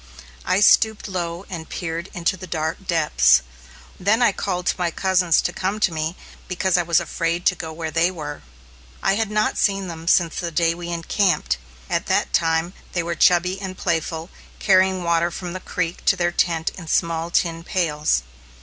I stooped low and peered into the dark depths. Then I called to my cousins to come to me, because I was afraid to go where they were. I had not seen them since the day we encamped. At that time they were chubby and playful, carrying water from the creek to their tent in small tin pails.